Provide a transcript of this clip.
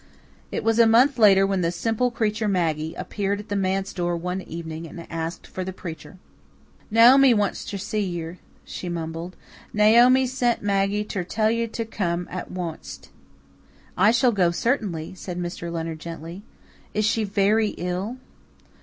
It was a month later when "the simple creature, Maggie" appeared at the manse door one evening and asked for the preached. "Naomi wants ter see yer," she mumbled. "Naomi sent Maggie ter tell yer ter come at onct." "I shall go, certainly," said Mr. Leonard gently. "Is she very ill?"